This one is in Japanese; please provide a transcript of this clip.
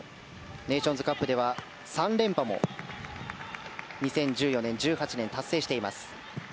ネーションズカップでは３連覇も２０１４年、１８年達成しています。